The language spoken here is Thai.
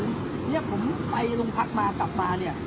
ตอนนี้กำหนังไปคุยของผู้สาวว่ามีคนละตบ